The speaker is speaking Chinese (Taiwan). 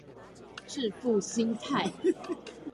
致富心態